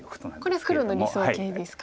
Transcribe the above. これは黒の理想形ですか。